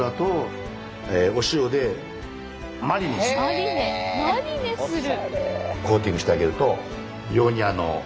マリネマリネする！